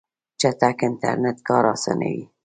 چټک انټرنیټ کار اسانوي.